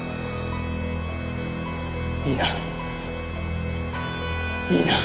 いいな？いいな？